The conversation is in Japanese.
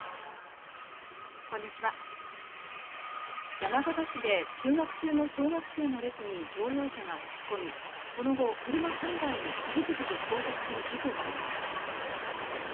山形市で通学中の小学生の列に乗用車が突っ込みその後車３台に次々と衝突する事故がありました。